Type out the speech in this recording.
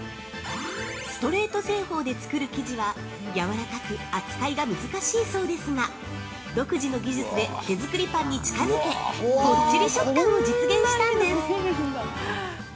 ◆「ストレート製法」で作る生地はやわらかく扱いが難しいそうですが、独自の技術で手作りパンに近づけ、もっちり食感を実現したんです！